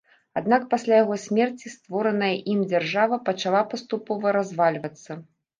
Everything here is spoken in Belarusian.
Аднак пасля яго смерці створаная ім дзяржава пачала паступова развальвацца.